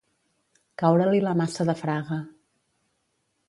Caure-li la maça de Fraga.